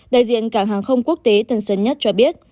đại diện cảng hàng không quốc tế tân sơn nhất cho biết